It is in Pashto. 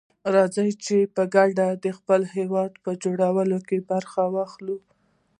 راځي چي په ګډه دخپل هيواد په جوړولو کي برخه واخلو.